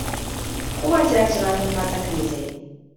Cum ați reacționat în fața crizei?